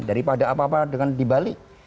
daripada apa apa dengan di bali